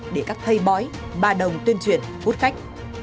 để các thầy bói bà đồng tuyên truyền hút khách